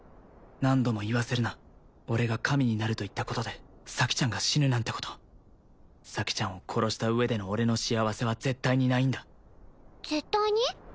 何度も言わせるな俺が神になると言ったことで咲ちゃんが死ぬなんてこと咲ちゃんを殺した上での俺の幸せは絶対にないんだ絶対に？